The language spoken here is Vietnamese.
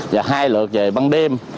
và hai lượt về ban đêm